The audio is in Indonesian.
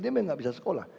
dia memang tidak bisa sekolah